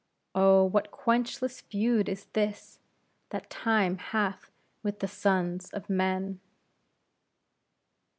Oh, what quenchless feud is this, that Time hath with the sons of Men!